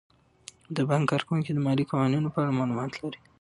د بانک کارکوونکي د مالي قوانینو په اړه معلومات لري.